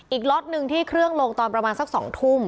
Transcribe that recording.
ล็อตหนึ่งที่เครื่องลงตอนประมาณสัก๒ทุ่ม